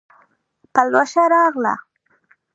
پلوشه راغله